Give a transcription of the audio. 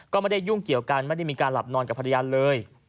ก็ไม่ได้ยุ่งเกี่ยวกันไม่ได้มีการหลับนอนกับภรรยาเลย